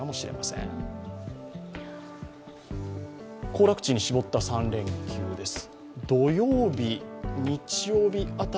行楽地に絞った３連休です。